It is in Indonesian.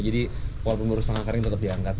jadi walaupun lurus setengah kering tetap diangkat